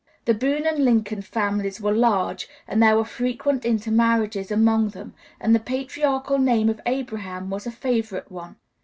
The Boone and Lincoln families were large and there were frequent intermarriages among them, and the patriarchal name of Abraham was a favorite one.